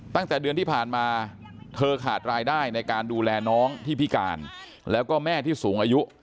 ตั้งแต่เดือนที่ผ่านมาเธอขาดรายได้ในการดูแลน้องที่พิการแล้วก็แม่ที่สูงอายุ